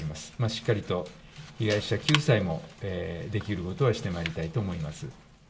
しっかりと被害者救済もできることはしてまいりたいと思います。